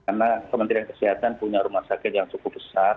karena kementerian kesehatan punya rumah sakit yang cukup besar